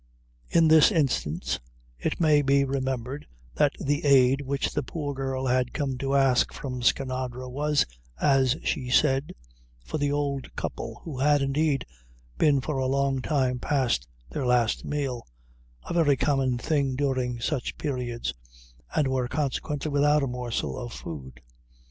In this instance it may be remembered, that the aid which the poor girl had come to ask from Skinadre was, as she said, 'for the ould couple,' who had, indeed, been for a long time past their last meal, a very common thing during such periods, and were consequently without a morsel of food.